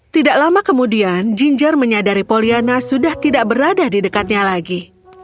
tidak lama kemudian ginger menyadari poliana sudah tidak berada di dekatnya lagi